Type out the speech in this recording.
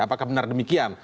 apakah benar demikian